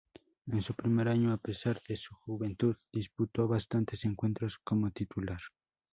En su primer año, a pesar de su juventud, disputó bastantes encuentros como titular.